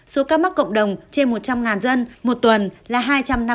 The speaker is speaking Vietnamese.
số ca mắc cộng đồng trên một trăm linh dân một tuần là hai trăm năm mươi bốn ca